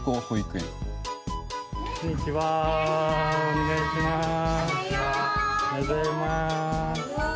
おはようございます。